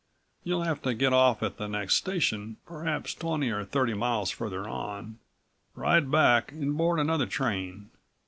You'll have to get off at the next station, perhaps twenty or thirty miles further on, ride back, and board another train.